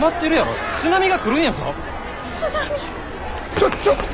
ちょちょっと！